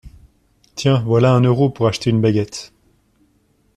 Tiens, voilà un euro pour acheter une baguette.